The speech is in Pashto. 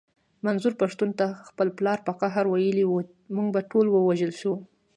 منظور پښتين ته خپل پلار په قهر ويلي و مونږ به ټول ووژل شو.